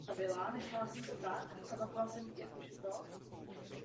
V průběhu provozu byly vozy upraveny.